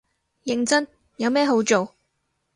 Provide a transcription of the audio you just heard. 認真，有咩好做